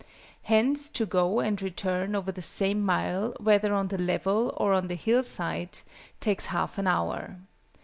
Hence to go and return over the same mile, whether on the level or on the hill side, takes 1/2 an hour.